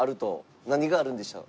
何があるんでしょう？